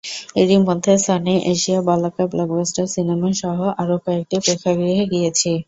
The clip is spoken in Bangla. এরই মধ্যে সনি, এশিয়া, বলাকা, ব্লকবাস্টার সিনেমাসসহ আরও কয়েকটি প্রেক্ষাগৃহে গিয়েছি।